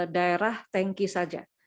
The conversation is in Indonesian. daerah tanky saja